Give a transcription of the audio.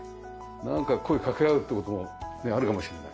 なんか声掛け合うって事もあるかもしれない。